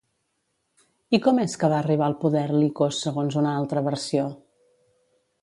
I com és que va arribar al poder Licos, segons una altra versió?